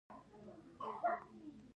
آیا حکومت د خلکو خدمتګار دی؟